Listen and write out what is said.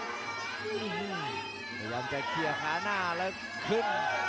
พยายามจะเคลียร์หาหน้าแล้วขึ้น